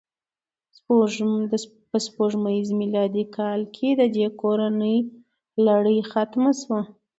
په سپوږمیز میلادي کال کې د دې کورنۍ لړۍ ختمه شوه.